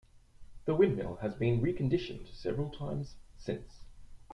The windmill has been reconditioned several times, since.